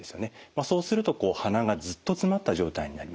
そうするとこう鼻がずっとつまった状態になります。